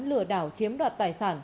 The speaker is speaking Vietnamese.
lừa đảo chiếm đặt tài sản